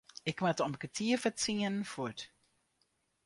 Ik moat om kertier foar tsienen fuort.